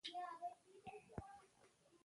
مسلکي کسان د هېواد سرمايه ده.